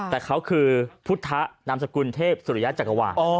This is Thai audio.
แต่เขาคือพุทธนามสกุลเทพสุริยะจักรวาล